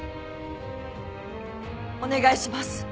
お願いします。